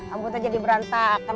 ambut aja di berantakan